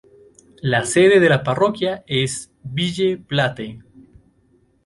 La sede de la parroquia es Ville Platte.